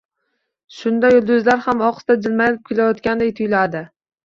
Shunda yulduzlar ham ohista jilmayib kulayotgandek tuyuladi.